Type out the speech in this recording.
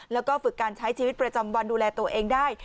แล้วก็ฝึกการใช้ชีวิตประจำวันดูแลตัวเองได้